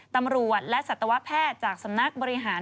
ตำรวจและสัตวแพทย์จากสำนักบริหาร